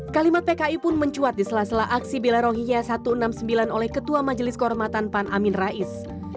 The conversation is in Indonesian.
kalimat pki pun mencuat di sela sela aksi belarohiya satu ratus enam puluh sembilan oleh ketua majelis kehormatan pan amin rais